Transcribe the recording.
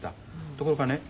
ところがね